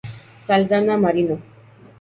Saldanha Marinho